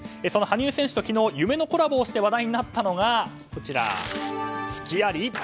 その羽生選手と昨日夢のコラボをして話題となったのがスキあり？